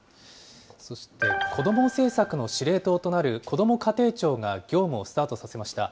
そして子ども政策の司令塔となるこども家庭庁が業務をスタートさせました。